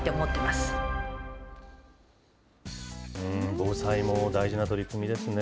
防災も大事な取り組みですね。